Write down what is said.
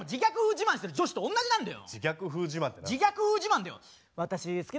自慢してる女子と同じなんだよ！